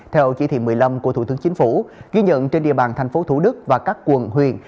theo chỉ thị một mươi năm của thủ tướng chính phủ ghi nhận trên địa bàn tp thủ đức và các quần huyền